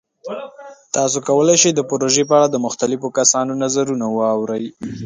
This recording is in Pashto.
تاسو کولی شئ د پروژې په اړه د مختلفو کسانو نظرونه واورئ.